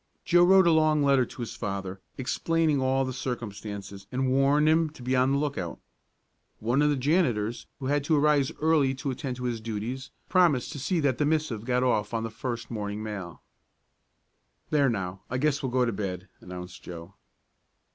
Joe wrote a long letter to his father explaining all the circumstances and warned him to be on the lookout. One of the janitors who had to arise early to attend to his duties promised to see that the missive got off on the first morning mail. "There, now, I guess we'll go to bed," announced Joe.